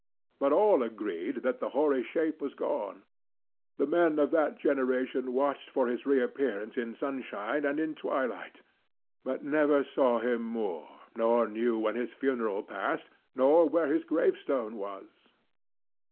But all agreed that the hoary shape was gone. The men of that generation watched for his reappearance in sunshine and in twilight, but never saw him more, nor knew when his funeral passed nor where his gravestone was.